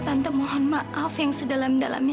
tante mohon maaf yang sedalam dalamnya